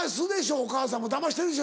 お母さんもだましてるでしょ